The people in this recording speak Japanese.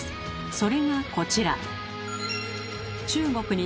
それがこちら。